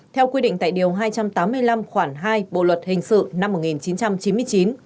theo quy định tại điều hai trăm tám mươi năm khoảng hai bộ luật hình sự năm một nghìn chín trăm chín mươi chín